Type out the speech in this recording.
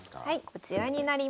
こちらになります。